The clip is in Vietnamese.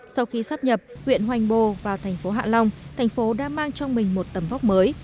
sau khi sắp nhập huyện hoành bồ vào thành phố hạ long thành phố đã mang trong mình một tầm vóc mới